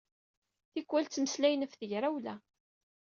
Tikwal ttmeslayen ɣef tegrawla.